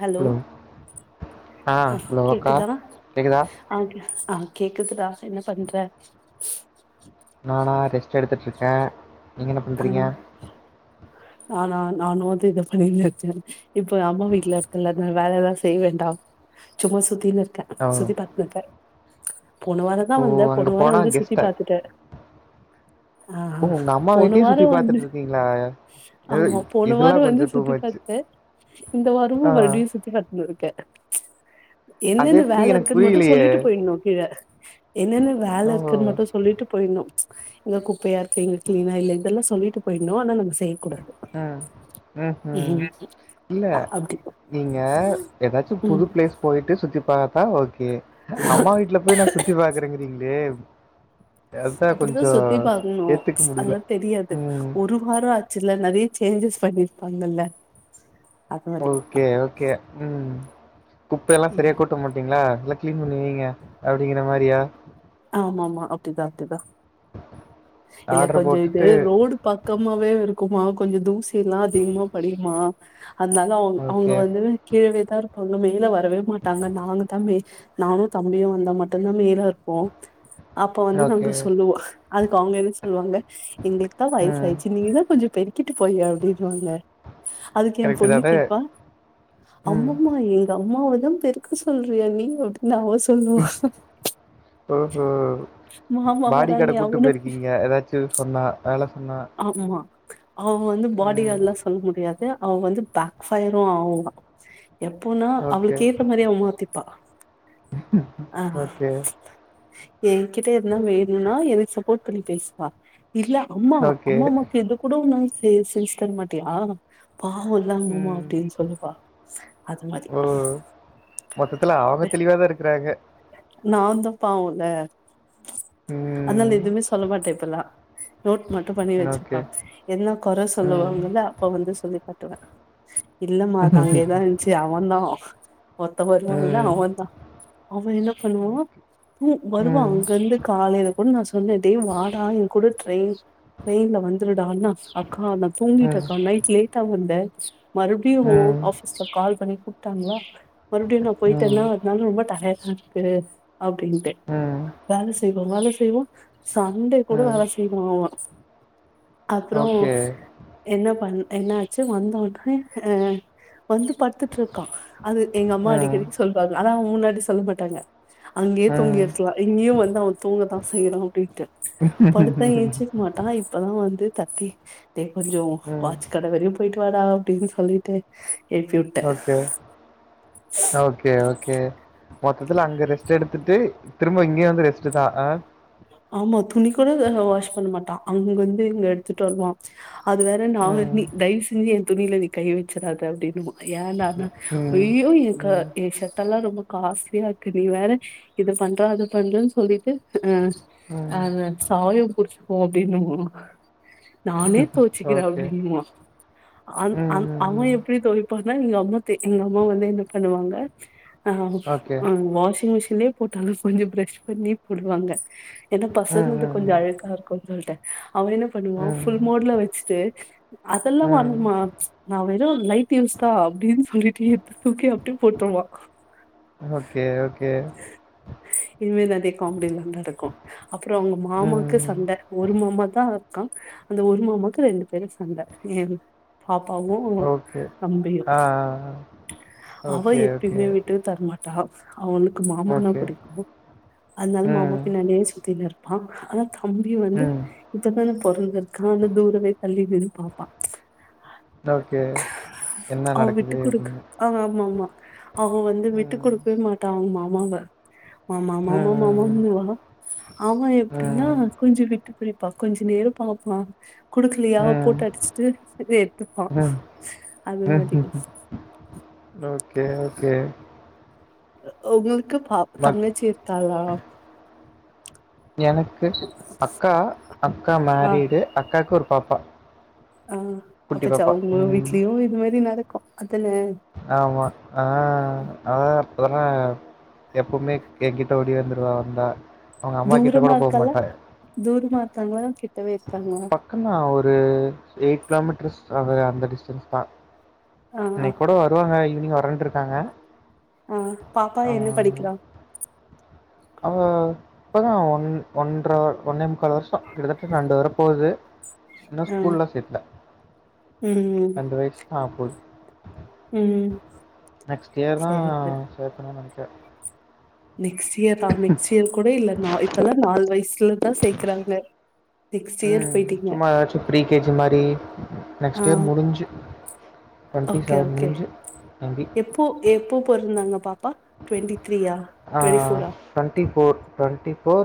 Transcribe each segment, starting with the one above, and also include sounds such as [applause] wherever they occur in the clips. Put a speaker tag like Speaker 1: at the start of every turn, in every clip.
Speaker 1: Hello ஆ
Speaker 2: hello அக்கா
Speaker 1: கேக்குதா
Speaker 2: கேட்குதா
Speaker 1: ஆ ஆ கேக்குதுடா என்ன பண்ற
Speaker 2: நானா ரெஸ்ட் எடுத்துட்டு இருக்கே நீங்க என்ன
Speaker 1: ஆ
Speaker 2: பண்றீங்க
Speaker 1: நானா நானு அதேதா பண்ணிட்ருக்கே ஆனா நானு அது இத பண்ணி இப்ப அம்மா வீட்டுல இருக்கல வேல எல்லா செய்ய வேண்டா சும்மா சுத்தின்னு க்க
Speaker 2: ஓ
Speaker 1: சுத்தி பாத்துனுக்க போண வாரந்தா
Speaker 2: ஓ
Speaker 1: வந்தே போண
Speaker 2: அங்கே
Speaker 1: வாரம் வந்து சுத்தி பாத்துட்டே ஆ
Speaker 2: இப்ப உங்க அம்மா
Speaker 1: போன
Speaker 2: வீட்டயே
Speaker 1: வாரோ
Speaker 2: சுத்தி
Speaker 1: வந்து
Speaker 2: பாத்துட்ருக்கீங்களா
Speaker 1: ஆமா போன வார வந்து சுத்தி
Speaker 2: மச்
Speaker 1: பாத்தே இந்த வாரமு
Speaker 2: ஆ
Speaker 1: மறுபடியு சுத்தி பாத்துன்னு இருக்கே
Speaker 2: அது
Speaker 1: என்னென்ன வேல
Speaker 2: எப்படி எனக்கு
Speaker 1: இருக்குன்னு மட்டு
Speaker 2: புரியலையே
Speaker 1: சொல்லிட்டு போயிட்ணு கீழ என்னென்னு வேல
Speaker 2: ஓ
Speaker 1: இருக்குன்னு மட்டு சொல்லிட்டு போயிட்ணு இங்க குப்பையா இரு கிங்க க்லீனா இல்லை இதெல்லா சொல்லிட்டு போயிட்னு ஆனா நாம செய்
Speaker 2: ஆ ஆ ஆ இல்ல
Speaker 1: அப்டி
Speaker 2: நீங்க ஏதாச்சு
Speaker 1: ம்
Speaker 2: புது பிளேஸ் போயிட்டு சுத்தி பா த்தா ஓக்கே அம்மா வீட்ல போய் நா சுத்தி பாக்குறேங்கிறீங்களே
Speaker 1: அப்டிதா சுத்தி பாக்கனு
Speaker 2: ஏற்றுக்க
Speaker 1: ம்ச்
Speaker 2: முடியல
Speaker 1: அதெல்லா தெரியாது
Speaker 2: ம்
Speaker 1: ஒரு வார ஆச்சு இல்ல நெரைய சேஞ்சஸ் பண்ணிருப்பாங்கல
Speaker 2: ஓக்கே ஓக்கே ம் குப்ப எல்லா செரியா கூட்ட மாட்டீங்களா எல்லா கிளீன் பண்ணுவீங்க அப்டிங்கிற மாரியா
Speaker 1: ஆமா ஆமா அப்டிதா அப்டிதா இல்ல
Speaker 2: ஆர்டர்
Speaker 1: கொஞ்ச இது
Speaker 2: போட்டுட்டு
Speaker 1: ரோடு பக்கமாவே இருக்குமா கொஞ்ச தூசி எல்லா அதிகமா படியுமா அதனால அவங் அவங்க
Speaker 2: ஓகே,
Speaker 1: வந்து கீழவேதா இருக் ஒண்ணு மேல வரவே மாட்டாங்க நானு தம்பி நானு தம்பியு வந்தா மட்டுதா மேல இருப்போ அப்போ வந்து நாங்க
Speaker 2: ஓகே.
Speaker 1: சொல்லுவோ அதுக்கு அவங்க என்ன சொல்வாங்க எங்களுக்கு தா
Speaker 2: ம்.
Speaker 1: வயசாச்சு நீங்கதா கொஞ்சு பெருக்கிட்டு போயே அப்டின்னுவாங்க அதுக்கு என்
Speaker 2: கரெக்ட்டு
Speaker 1: பொண்ணு
Speaker 2: தான?
Speaker 1: கேப்பா
Speaker 2: ம்.
Speaker 1: அம்மம்மா எங்க அம்மா வந்து பெருக்க சொல்றியா நீ அப்டி னு அவோ சொல்லுவ
Speaker 2: ம் பாடி கட கூட்டு
Speaker 1: அவன பெ-
Speaker 2: போயிருக்கீங்க ஏதாச்சு சொன்னா அதனால
Speaker 1: ஆமா அவங்க வந்து பாடி
Speaker 2: ம்.
Speaker 1: கார்ட்லா சொல்ல முடியாது அவுங்க வந்து பேக் ஃபயரு ஆவுங்க எப்போனா
Speaker 2: ஓகே,
Speaker 1: அவளுக்கு ஏத்த மாரி அவ மாத்திப்பா ஆ
Speaker 2: ஓகே
Speaker 1: என்கிட்ட எதுனா வேணுனா எனக் சப்போர்ட் பண்ணி பேசுவா இல்ல அம்மா
Speaker 2: ஓகே.
Speaker 1: அம்மம்மா கேட்டகூட [unintelligible] செஞ்சு தர மாட்டியா பாவ இல்ல அம்மம்மா
Speaker 2: ம்.
Speaker 1: அப்டின்னு சொல்லுவா அது மாரி
Speaker 2: ஓ! மொத்தத்துல அவங்க தெளிவா தான் இருக்கறாங்க.
Speaker 1: நா தா பாவல அதனால
Speaker 2: ம்.
Speaker 1: எதுவுமே சொல்ல மாட்ட இப்பல்லா நோட் மண் பண்ணி
Speaker 2: ஓகே.
Speaker 1: வச்சிருப்ப என்ன குற
Speaker 2: ம்.
Speaker 1: சொல்லுவாங்கள அப்ப வந்து சொல்லி பத்துவ இல்லம்மா அது
Speaker 2: ம்.
Speaker 1: அங்கேதா இருந்துச்சு அவந்தா ஒருத்த வருவாங்களா
Speaker 2: ம்.
Speaker 1: அவங்கதா அவ என்ன பண்ணுவா, ம் வருவா அங்கருந்து காலைல கூட நா சொன்னே டேய் வாடா எங் கூட ட்ரெயின் ட்ரெயின்ல வந்துருடானா அக்கா நா தூங்கிட்டக்கா நைட் லேட்டாவு குந்த மறுபடியு
Speaker 2: ம்.
Speaker 1: ஆஃபீஸ்ல கால் பண்ணி கூப்ட்டாங்களா மறுபடியு நா போயிட்டன்னா அதனால ரொம்ப டயடு ருக்கு அப்டின்ட்டு
Speaker 2: ம்.
Speaker 1: வேல செய் ரொம்ப நாளு செய்வோ சண்டே கூட
Speaker 2: ம்.
Speaker 1: வேல செய்வா அவ அப்றோ என்ன பண் என்னாச்சு வந்தோனே, அ வந்து படுத்துட்டு இருக்கா அது எங்க அம்மா அடிக்கடி சொல்வாங்க ஆனா மூன்னாட்டி சொல்லமாட்டாங்க அங்கேயே தூங்கிருக்கலா இங்கையு வந்து அவ தூங்கதா செய்றா அப்டின்ட்டு படுத்தா ஏஞ்சிக்க மாட் ப்பதா வந்து கத்தி டே கொஞ்சோ வாச்சு கட வரியு போய்ட்டு வாடா அப்டின் சொல்லிட்டு எழுப்பி விட்டே
Speaker 2: ஓகே ஓகே ஓகே மொத்தத்துல அங்க ரெஸ்ட் எடுத்துட்டு திரும்ப இங்கயு வந்து ரெஸ்டுதா அ
Speaker 1: ஆமா துணி கூட அங்க வாஷ் பண்ண மாட்டா அங்கந்து இங்க எடுத்துட்டு வருவான் அது வேற நா நீ
Speaker 2: ம்.
Speaker 1: தைய்வு செஞ்சு துணில நீ கை வச்சறாத அப்டின்னுவா ஏன்டா நா
Speaker 2: ம்.
Speaker 1: அய்யோ எ க
Speaker 2: ம்.
Speaker 1: எ சட்டல்லா ரொம்ப காஸ்ட்லியாருக்கு நீ வேற இத பண்ற அத பண்றன் சொல்லிட்டு
Speaker 2: ம்.
Speaker 1: அந்த சாயோ புடிச் ஓ அப்டின்னமோ நானே தொவச்சுக்கிற
Speaker 2: ஓகே.
Speaker 1: அப்டின்வா
Speaker 2: ம். ம்.
Speaker 1: அவ
Speaker 2: ம்.
Speaker 1: எப்டி தொவைப்பா எங்க அம்மா எங்க அம்மா வந்து என்ன பண்ணுவாங்க
Speaker 2: ஓகே.
Speaker 1: அ வாஷிங் மிஷி லே போட்டாலும் கொஞ்சம் ப்ரஷ் பண்ணி போடுவாங்க என்ன
Speaker 2: ம்.
Speaker 1: பசங்களுக்கு கொஞ்சம்
Speaker 2: ம்.
Speaker 1: அழுக்கா இருக்கும்ன்னு சொல்லிட்டேன் அவன் என்ன பண்ணுவான்
Speaker 2: ம்.
Speaker 1: புல்
Speaker 2: ம்.
Speaker 1: மோட்ல வச்சுட்டு
Speaker 2: ம்.
Speaker 1: அதெல்லாம்மா நான் வெறும் லைட் யூஸ் தான் அப்படின்னு சொல்லி ட்டு கே அப்படிய போட்டுருவான்
Speaker 2: ஓகே. ஓகே.
Speaker 1: இனிமே தான் காமெடிலாம் தான் இருக்கும் அப்புறம் அவுங்க மாமாக்கு
Speaker 2: ம்.
Speaker 1: சண்டை ஒரு மாமா தான் இருக்க அந்த ஒரு மாமாக்கு ரெண்டு பேரும் சந்தா பாப்பாவும்
Speaker 2: ஓகே.
Speaker 1: நம்பியும்
Speaker 2: ஆ. ஆ. ஆ.
Speaker 1: அவன்
Speaker 2: ஓகே. ஓகே.
Speaker 1: எப்பயுமே விட்டு தரமாட்டான் அவங்களுக்கு மாமனா
Speaker 2: ஓகே.
Speaker 1: பிடிக்கும் அதனால மாமா
Speaker 2: ம்.
Speaker 1: பின்னாலே சு த்தினு இருப்பான் அத தம்பி வந்து
Speaker 2: ம்.
Speaker 1: இப்பதான பொறந்தற்கான தூரவே தள்ளிவிம் பார்ப்பான்
Speaker 2: ஓக்கே என்ன
Speaker 1: அவ விட்டு
Speaker 2: நடக்குது
Speaker 1: குடுக்க
Speaker 2: எப்படின்னு
Speaker 1: ஆ ஆமா ஆமா அவ வந்து விட்டு கொடுக்கவே மாட்டா அவங்கம்மா மாங்க மாமா மாமா
Speaker 2: ம். ம்.
Speaker 1: மானுவா அவ எப்படின்னா
Speaker 2: ம்.
Speaker 1: கொஞ்சு விட்டு குறிப்பா கொஞ்சு நேரோ பாப்பாக்கு குடுக்கலையா
Speaker 2: ம்.
Speaker 1: போட்டு அடிச்சுட்டு எடுத்துப்பா
Speaker 2: ம்.
Speaker 1: அந்த மாரி
Speaker 2: ஓக்கே ஓக்கே
Speaker 1: உங்களுக்கு க்கு பா
Speaker 2: பட்
Speaker 1: தங்கச்சி இருக்காளா
Speaker 2: எனக்கு அக்கா அக்கா
Speaker 1: ஆ
Speaker 2: மேரீடு அக்காக்கு ஒரு பாப்பா
Speaker 1: ஆ
Speaker 2: குட்டி
Speaker 1: அப்ப
Speaker 2: பாப்பா.
Speaker 1: சவுங்களும்
Speaker 2: ம்.
Speaker 1: வீட்லியும் இது மாதிரி நட
Speaker 2: ஆமா ஆ அதா அதெல்லா எப்பவுமே என்கிட்ட ஓடி வந்துடுதாகவா வந்தா அவங்க அம்மா
Speaker 1: தூர
Speaker 2: கிட்ட கூட போ
Speaker 1: மார்க்கல்லா தூர மார்காங்க கல கேட்
Speaker 2: பக்கன்னா ஒரு எயிட் கிலோமீட்டர்ஸ் அவ அந்த டிஸ்டன்ஸ் தா
Speaker 1: ஆ ஆ
Speaker 2: இன்னைக் கூட வருவாங்க இப் ஈவினிங் வரண்டு இருக்காங்க
Speaker 1: ஆ பாப்பா
Speaker 2: ஆ
Speaker 1: என்ன படிக்கிறா
Speaker 2: அவ இப்பதா ஒன் ஒன்ற ஒன்னே மு முக்கால் வருஷோ கிட்டத்தட்ட ரெண்டு வர போகுது இன்னு
Speaker 1: ஆ
Speaker 2: ஸ்கூல்லா சேக்கல
Speaker 1: ம்
Speaker 2: ரெண்டு வயசு ஆவப்போது
Speaker 1: ம்
Speaker 2: நெக்ஸ்ட் இயர் தா
Speaker 1: சரி சரி
Speaker 2: சேத்தனூனு நினைக் [unintelligible]
Speaker 1: நெக்ஸ்ட் இயர் ஆ நெக்ஸ்ட் இயர் கூட இல்ல நா இப்பல்லா நாலு வயசுல தா சேக்குறாங்க
Speaker 2: உம் சும்மா ஏதாச்சும் ப்ரீ கேஜி மாதரி நெக்ஸ்ட் இயர் முடிஞ்சு டுவெண்ட்டி
Speaker 1: ஓக்கே
Speaker 2: செவன்
Speaker 1: ஓக்கே
Speaker 2: முடிஞ்சு மேபி
Speaker 1: எப்போ எப்போ பொறந்தாங்க பாப்பா ட்வென்டி த்ரீயா ட்வென்டி ஃபோர்ரா
Speaker 2: ஆ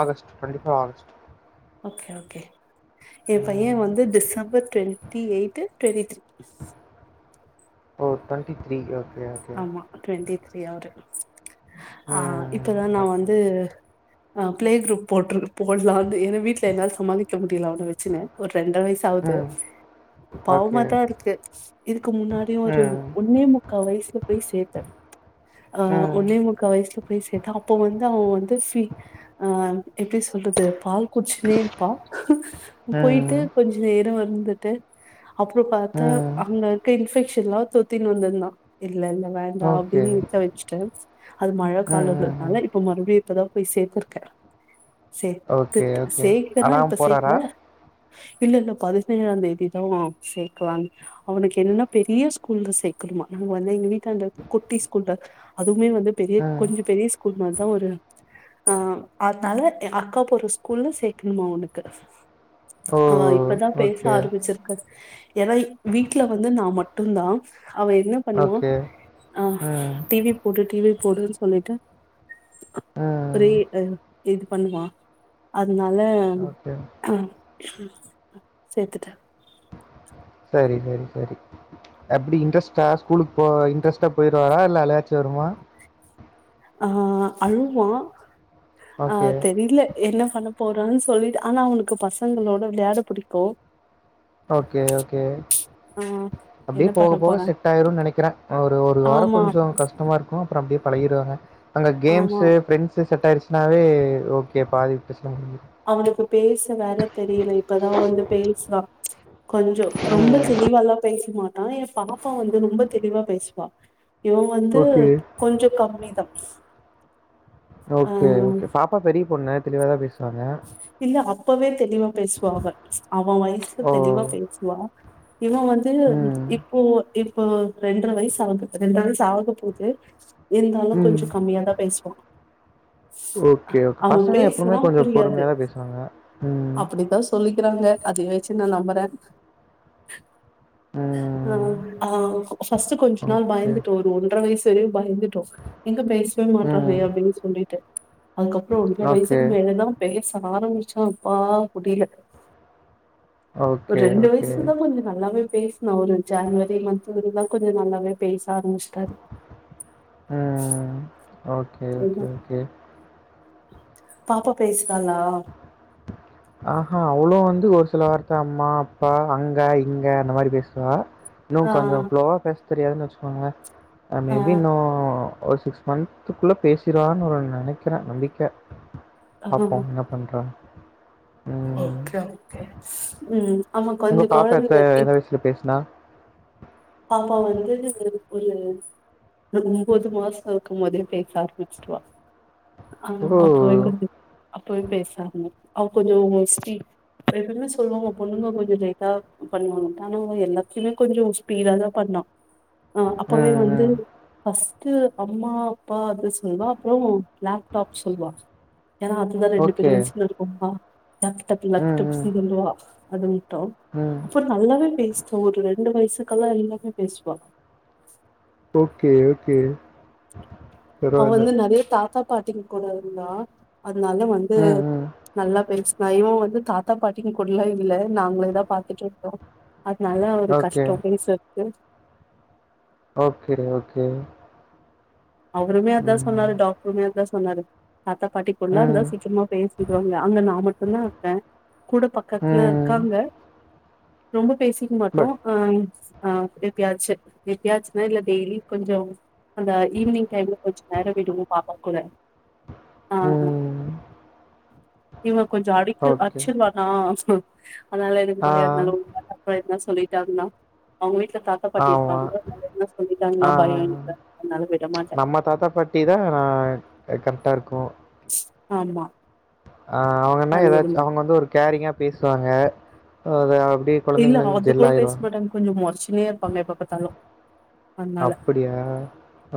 Speaker 2: ஆகஸ்ட் கண்டிபா ஆகஸ்ட்
Speaker 1: ஓகே ஓகே என் பைய வந்து December twenty eight twenty three
Speaker 2: ஓ ட்வென்டி த்ரீ ஓ
Speaker 1: ஆமா ட்வென்டி ரி அவுரு ஆஹ்
Speaker 2: ம்
Speaker 1: இப்பதா நா
Speaker 2: ஓகே
Speaker 1: வந்து ஹ பிளே குரூப் போட்டுரு போடலாம்ந்து என் வீட்ல என்னால சமாளிக்க முடியல அவன வச்சுன்னு ஒரு ரெண்டரை வயசு ஆகுது
Speaker 2: ம் ஓகே
Speaker 1: பாவமா தா இருக்கு இதுக்கு முன்னாடி ஒரு
Speaker 2: ம்
Speaker 1: ஒன்னே முக்க வயசு போய் சேத்த ஆஹ்
Speaker 2: ம்
Speaker 1: ஒன்னே முக்க வயசுல போய் சேத்த அப்ப வந்து அவன் வந்து பீ ஹ ஹான் எப்படி சொல்றது பால் குடிஷ்ணே இருப்பா போயிட்டு
Speaker 2: ம்
Speaker 1: கொஞ்சோ நேரோ வரு வந்துட்டு அப்ரோ பாத்த
Speaker 2: ம்
Speaker 1: அங்க இருக்க இன்பெக் ஷ எல்லா தொத்தின்னு வந்துந்தா இல்ல இல்ல வேண்டா
Speaker 2: ஓகே
Speaker 1: அப்படின்னு நிக்க வச்சிட்டு அது மழ
Speaker 2: ம் ம்
Speaker 1: காலம்ன்றதுனால இப்ப மறுபடியு இப்பதா போய் சேர்த்துருக்க
Speaker 2: ஓகே
Speaker 1: சேத்துட்டு
Speaker 2: ஓகே
Speaker 1: சேக்குற இப்ப
Speaker 2: அலாம்
Speaker 1: சேக்ல
Speaker 2: போகிறாரா
Speaker 1: இல்ல இல்ல பதினேழாந் தேதிதா சேக்கலாம் அவனுக்கு என்ன னா பெரிய ஸ்கூல்ல சேர்க்கணுமா நாங்க வந்து எங்க வீட் அந்த குட்டி ஷ்கூல்பேக் அது மே வந்து பெரிய
Speaker 2: ம்.
Speaker 1: கொஞ்சோ பெரிய ஸ்கூல் மாரி தா ஒரு அ அதனால அக்காபோற ஸ்கூல்ல சேக்கணுமா அவனக்கு
Speaker 2: ஓ!
Speaker 1: அவ இப்பதா பேச
Speaker 2: ஓகே,
Speaker 1: ஆரம்பிச்சிருக்கா ஏனா வீட்டு்ல வந்து நா மட்டுந்தா அவ பண்ணுவ
Speaker 2: ஓகே.
Speaker 1: ஆ
Speaker 2: ம்,
Speaker 1: டிவி போடு டிவி போடு போடுனு சொல்லிட்டு
Speaker 2: ம்.
Speaker 1: ரே இது பண்ணுவா அ அதனால
Speaker 2: ஓகே.
Speaker 1: ஆ சேத்துட்ட
Speaker 2: சரி சரி சரி எப்படி இன்ட்ரெஸ்ட்டா ஸ்கூலுக்கு போ இன்ட்ரெஸ்ட்டா போயிருவாரா இல்ல அலுகாச்சி வருமா
Speaker 1: ஆ அழுவ்வா ஆ
Speaker 2: ஓகே,
Speaker 1: தெரில என்ன பண்ண போறன் சொல்லிட்டு ஆனா அவனுக்கு பசங்களோட விளையாட புடிக்கூ
Speaker 2: ஓகே ஓகே
Speaker 1: ஆ என்ன
Speaker 2: அப்டியே போக
Speaker 1: பண்ண
Speaker 2: போக
Speaker 1: போறா
Speaker 2: செட் ஆயிரும்னு நினைக்கிறே ஒரு ஒரு வாரம்
Speaker 1: ஆமா
Speaker 2: கொஞ்சோ கஷ்டமா இருக்கு அப்றோ அப்படியேப் பழகிருவாங்க அங்க கேம்ஸ்
Speaker 1: ஆமா
Speaker 2: ஃபிரரெண்டஸு செட்ட ஆயிருச்சு நாவே ஓகே பாதி பிரச்
Speaker 1: அவனுக்கு பேச வேற தெரில இப்பதான் வந்து பேசுரா கொஞ்சோ ரொம்ப தெளிவல்லா பேசமாட் ஆ எ பாப்பா வந்து ரொம்ப தெளிவா பேசுவா இவன் வந்து
Speaker 2: ஓகே,
Speaker 1: கொஞ்சோ கம்மி தா
Speaker 2: ஓகே ஓகே பாப்பா பெரிய பொண்ணு தெளிவாதா பேசு
Speaker 1: இல்ல அப்பவே தெளிவா பேசுவா அவ அவ வயசு
Speaker 2: ஓ!
Speaker 1: தெளிவா பேசுவா இவன் வந்து
Speaker 2: ம்,
Speaker 1: இப்போ இப் இப்போ ரெண்டர வயசு ஆவுது ரெண்டர வயசு ஆக போது இருந்தாலு கொஞ்சோ
Speaker 2: ம்.
Speaker 1: கம்மியா தா பேசுவா
Speaker 2: ஓகே ஓகே
Speaker 1: அவன்
Speaker 2: பசங்க எப்பவுமே கொஞ்சோ பொறுமையா தா பேசுவாங்க ம்.
Speaker 1: அப்டித்தா சொல்லி க்கிறாங்க அதயே வச்சு நா நம்புறே
Speaker 2: ம்.
Speaker 1: அஹ் ஆஹ் ஆ ஃபர்ஸ்ட் கொஞ்சோ நாள்
Speaker 2: ஓகே.
Speaker 1: பயந்துட்டோ ஒரு ஒன்ற வயசு [unintelligible] பயந்துட்டோ எங்க பேச வே மாற்றாலே
Speaker 2: ம்.
Speaker 1: அப்டின்னு சொல்லிட்டு அதுக்கப்றோ ஒன்ற
Speaker 2: ஓகே.
Speaker 1: வயசுக்கு மேல தா பேசா ஆரமிச்சா பா புடில ஒரு
Speaker 2: ஓகே,
Speaker 1: ரெண்டு
Speaker 2: ஓகே.
Speaker 1: வயசுல தா கொஞ்சோ நல்லாவே பேஸ்னா ஒரு ஜன்வரி மந்த்லா கொஞ்சோ நல்லாவே பேஸ் ஆரமிச்டாரு
Speaker 2: ம். ஓகே ஓகே ஓகே
Speaker 1: பாப்பா பேசு
Speaker 2: ஆ ஆ அவ்ளோ வந்து ஒரு சில வார்த்த அம்மா அப்பா அங்க இங்க அந்த மாரி பேசுவா இன்னு கொஞ்சோ
Speaker 1: ஆஹ்
Speaker 2: [unintelligible] தெரியாதுனு வச்சுக்கோங்ளே ஆ மேபி நா ஒரு சிக்ஸ் மந்த்க்குள்ள பேசிறுவானு நெனக்கிறே நம்பிக்க பாப்போ
Speaker 1: ஆஹ்
Speaker 2: என்ன [unintelligible]
Speaker 1: ஓகே ஓகே உம் ஆமா
Speaker 2: உங்க
Speaker 1: கொஞ்சம்
Speaker 2: பாப்பா எத்த
Speaker 1: குழந்தைங்க
Speaker 2: எந்த வயசுல பேசுனா
Speaker 1: பாப்பா வந்து [unintelligible] ஒரு ஒன்பது மாசோ இருக்குபோதே பேச ஆரம்பிச்சுடுவா ஆ
Speaker 2: ஓ!
Speaker 1: [unintelligible] அப்பவே பேசா ஆரம்மனபிச்சிடுவா அவ கொஞ்சோ ஒஷ்டி எப்பவுமே சொல்லுவாங்க பொண்ணுங்க கொஞ்சு லேட்டா பண்ணுவாங்க ஆனா அவங்க எல்லாத்தயுமே கொஞ்சு பீடாத பண்ணா ஆ அப்பவே
Speaker 2: ம்,
Speaker 1: வந்து
Speaker 2: ம்.
Speaker 1: பஸ் இது அம்மா அப்பா அது சொல்வா அப்புறோ லேப்டாப் சொல்வா ஏன்னா அதுதா ரெண்டு
Speaker 2: ஓகே.
Speaker 1: பேரு வச்சுட்டு இருக்கோமா லெப்டப்
Speaker 2: ம்,
Speaker 1: லெப்டப்
Speaker 2: ம்,
Speaker 1: சொல்லுவா அதுவு அப்
Speaker 2: ம்.
Speaker 1: அப்பறோ நல்லாவே பேசிட் ஒரு [unintelligible] ரெண்டு வயசு. க்கெல்லா எல்லாமே பேசுவா.
Speaker 2: Okay okay.
Speaker 1: அவ வந்து நெறைய தாத்தா. பாட்டீங்க கூடாயிருந்தா. அதனால வந்து
Speaker 2: ம், ம்.
Speaker 1: நல்லா பேசு. நா இவ வந்து தாத்தா பாட்டி குடலா இல்ல நாங்களேதா பாத்துட்டு இருந்தோ அதனால ஒரு
Speaker 2: ஓகே.
Speaker 1: கஷ்டோ பேசுரதுக்கு
Speaker 2: ஓக்கேடி ஓக்கே.
Speaker 1: அவருமே அதுதா சொன்னாரு டாக்டருமே அதா சொ சொன்னாரு. தாத்தா பாட்டிக்குள்ளலா இருந்தா
Speaker 2: ம்,
Speaker 1: சீக்கிரமே பேசிடுவாங்க அங்க நா மட்டுந்தா இருந்தே கூட பக்கத்துல
Speaker 2: ம்.
Speaker 1: இருக்காங்க. ரொம்ப. பேசிக்க மாட்டோ.
Speaker 2: பட்
Speaker 1: ஆ எப்பியாச்சு எப்பியாச்சுன்னா இல்ல டெய்லியூ கொஞ்சு அந்த. ஈவினிங் டைம்ல கொஞ்சு நேரோ விடுவோ பாப்பா கூட. ஆ
Speaker 2: உம்.
Speaker 1: இவ. கொஞ்சு அடிக்க அச்சிருவானா. அதனால எனக்கு
Speaker 2: ஆ,
Speaker 1: பயோ அதனால. [unintelligible] சொல்லிட்டாங்கன்னா அவங்க வீட். த தாத்தா பாட்டி இருப்பாங்க
Speaker 2: ஆமா.
Speaker 1: அதனா என்ன சொல்லிட்டாங்கனா
Speaker 2: ஆ.
Speaker 1: பயோ எனக்கு அதனால. மாட்டே
Speaker 2: நம்ம தாத்தா பாட்டி தா கரெக்ட். ரெக்டா இருக்கு.
Speaker 1: ம்ச் ஆமா.
Speaker 2: ஆ அவங்கன்னா
Speaker 1: அதனால விட
Speaker 2: ஏதாச்சு அவங்க
Speaker 1: மாட்டே
Speaker 2: வந்து ஒரு கேரிங்கா. பேசுவாங்க அது.
Speaker 1: இல்ல
Speaker 2: குழந்தைங்களுக்கு
Speaker 1: அது
Speaker 2: ஜெல்
Speaker 1: கூட பேச
Speaker 2: ஆயிருவாங்க.
Speaker 1: மாட்டாங்க கொஞ்சு மொறச்சு. திட்டினே இருப்பாங்க எப்ப பாத்தாலு. அதனால
Speaker 2: அப்படியா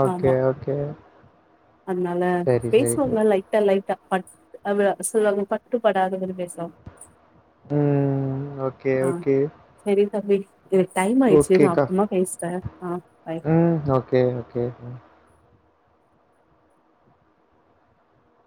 Speaker 2: ஓக்கே
Speaker 1: ஆமா
Speaker 2: ஓக்கே.
Speaker 1: அதனால பேசுவாங்க லைட்டா லைட்டா. பட் அவ பட்டுப்படாத மாதிரி பேசுவாங்க.
Speaker 2: உம் okay okay okay.
Speaker 1: Subway time ஆயிடுச்சு நா அப்புறமா பேசுரே
Speaker 2: உம் ஓக்கே ஓக்கே